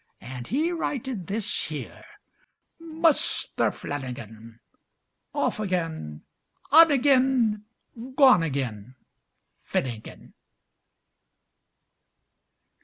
An' he writed this here: "Muster Flannigan: Off ag'in, on ag'in, Gone ag'in Finnigin."